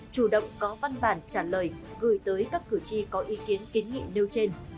chủ động có văn bản trả lời gửi tới các cửa chi có ý kiến kiến nghị nêu trên